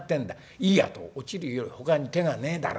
いいあと落ちるよりほかに手がねえだろ。